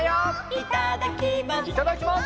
「いただきます」